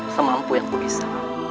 semampu yang ku bisa